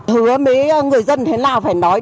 hứa mấy người dân thế nào phải nói